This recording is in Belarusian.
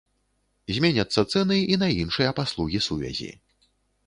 Зменяцца цэны і на іншыя паслугі сувязі.